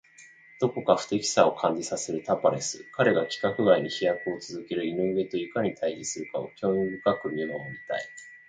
どこか不敵さを感じさせるタパレス。彼が規格外に飛躍を続ける井上といかに対峙するかを興味深く見守りたい。